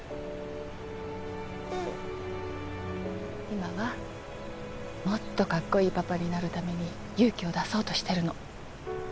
今はもっとかっこいいパパになるために勇気を出そうとしてるの。